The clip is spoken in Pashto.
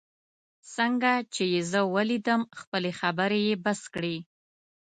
څنګه چي یې زه ولیدم، خپلې خبرې یې بس کړې.